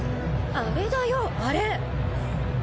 あれだよあれ。